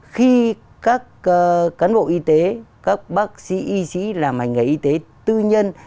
khi các cán bộ y tế các bác sĩ y sĩ làm hành nghề y tế tư nhân